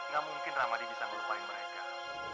gak mungkin ramadi bisa melupai mereka